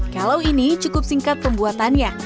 kalau ini cukup singkat pembuatannya